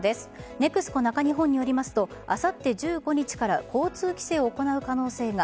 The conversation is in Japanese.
ＮＥＸＣＯ中日本によりますとあさって１５日から交通規制を行う可能性が。